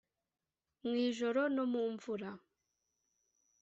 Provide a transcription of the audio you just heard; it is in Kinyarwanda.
mw'ijoro no mu mvura. ”